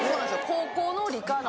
高校の理科の。